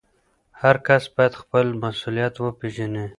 هر کس باید خپل مسؤلیت وپېژني.